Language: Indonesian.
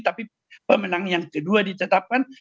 tapi pemenang yang kedua ditetapkan